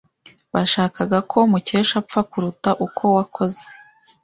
Bashakaga ko Mukesha apfa kuruta uko wakoze.